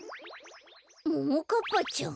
ももかっぱちゃん。